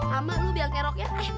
lama lu biang kerok ya